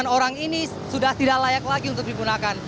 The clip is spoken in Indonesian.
delapan orang ini sudah tidak layak lagi untuk digunakan